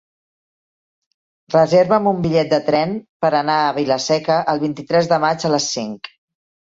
Reserva'm un bitllet de tren per anar a Vila-seca el vint-i-tres de maig a les cinc.